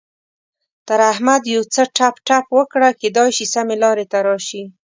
تر احمد يو څه ټپ ټپ وکړه؛ کېدای شي سمې لارې ته راشي.